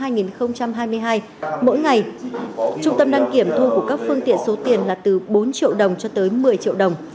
trung tâm đăng kiểm thu của các phương tiện số tiền là từ bốn triệu đồng cho tới một mươi triệu đồng